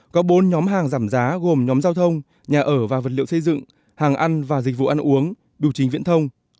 có bốn nhóm hàng giảm giá gồm nhóm giao thông nhà ở và vật liệu xây dựng hàng ăn và dịch vụ ăn uống biểu chính viễn thông